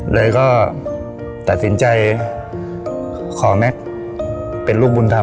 เลยก็ตัดสินใจขอแม็กซ์เป็นลูกบุญธรรม